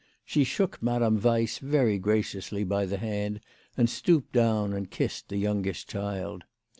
She shook Madame Weiss very graciously by the hand and stooped down and kissed the youngest child.